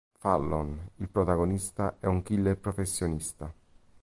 Fallon, il protagonista, è un killer professionista.